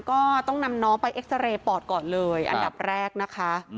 ก็ต้องนำน้องไปเอ็กซาเรย์ปอดก่อนเลยอันดับแรกนะคะ